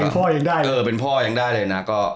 พ่อยังได้เป็นพ่อยังได้เลยนะ